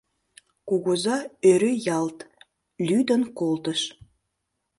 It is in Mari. Кугыза ӧрӧ ялт, лӱдын колтыш: